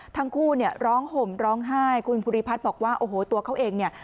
ทั้งคู่เนี่ยร้องห่มร้องไห้คุณภูริพัฒน์บอกว่าโอ้โหตัวเขาเองเนี่ย